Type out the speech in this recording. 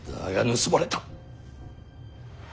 盗まれた？